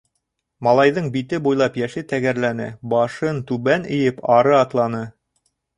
Малайҙың бите буйлап йәше тәгәрләне, башын түбән эйеп, ары атланы.